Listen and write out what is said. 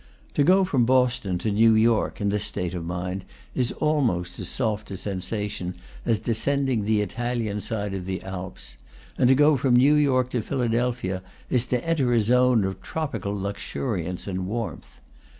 To go from Boston to New York (in this state of mind) is almost as soft a sensation as descending the Italian side, of the Alps; and to go from New York to Philadelphia is to enter a zone of tropical luxuriance and warmth.